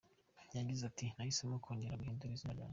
Yagize ati ‘Nahisemo kongera guhindura izina ryanjye.